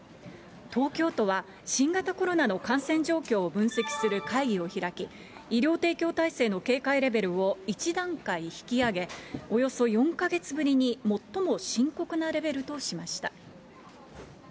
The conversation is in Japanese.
東京都は、新型コロナの感染状況を分析する会議を開き、医療提供体制の警戒レベルを１段階引き上げ、およそ４か月ぶりに最も深刻なレベルとしました。